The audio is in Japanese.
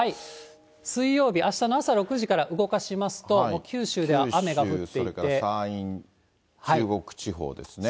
水曜日、あしたの朝６時から動かしますと、それから山陰、中国地方ですね。